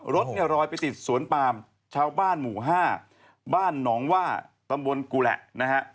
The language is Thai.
รถเนี่ยรอยไปติดสวนปามชาวบ้านหมู่๕บ้านหนองว่าตำบลกุแหละนะฮะ